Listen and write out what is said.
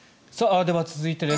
では、続いてです。